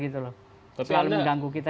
selalu mengganggu kita